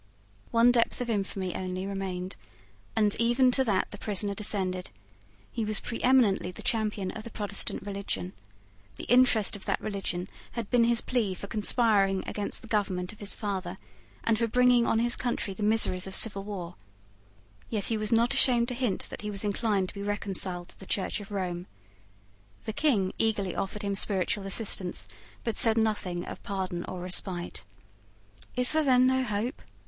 One depth of infamy only remained; and even to that the prisoner descended. He was preeminently the champion of the Protestant religion. The interest of that religion had been his plea for conspiring against the government of his father, and for bringing on his country the miseries of civil war; yet he was not ashamed to hint that he was inclined to be reconciled to the Church of Rome. The King eagerly offered him spiritual assistance, but said nothing of pardon or respite. "Is there then no hope?"